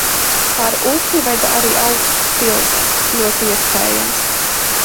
Pār upi veda arī augsts tilts. Ļoti iespējams.